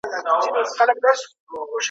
که خاوند په غوسه کي بحث کاوه څه بايد وسي؟